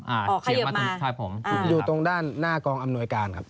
อ่าเฉียบมาอ๋อเฉียบมาถ้าผมอ่าอยู่ตรงด้านหน้ากองอำนวยการครับ